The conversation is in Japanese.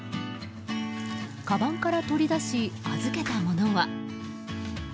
かばんから取り出し預けたものは。